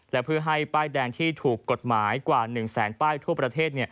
และเพื่อให้ป้ายแดงที่ถูกกฎหมายกว่า๑แสนป้ายทั่วประเทศ